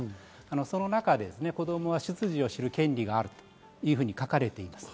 その中で子供は出自を知る権利があるというふうに書かれています。